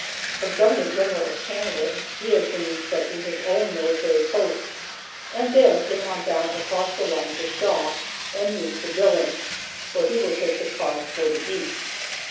As governor general of Canada, he had been inspecting his own military posts, and then came on down across the line to Shaw, en route to Dillon, where he will take the cars for the East.